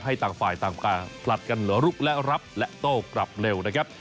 ต่างฝ่ายต่างผลัดกันลุกและรับและโต้กลับเร็วนะครับ